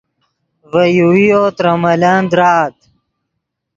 ڤے یوویو ترے ملن درآت